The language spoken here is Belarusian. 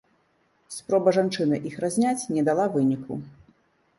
Спроба жанчыны іх разняць не дала выніку.